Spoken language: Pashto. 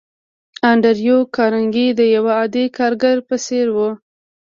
انډريو کارنګي د يوه عادي کارګر په څېر و.